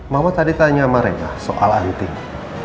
mama tadi tanya sama rena soal anting